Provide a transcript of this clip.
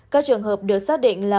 các trường hợp được xác định là